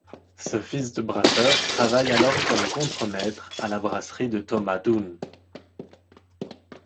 Ce fils de brasseur travaille alors comme contremaître à la brasserie de Thomas Dunn.